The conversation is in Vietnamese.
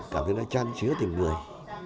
cảm thấy nó trăn tríu tình người